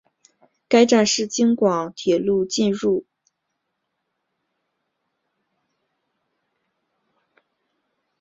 该站是京广铁路进入郴州市后的第一个车站。